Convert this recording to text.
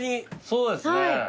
そうですね。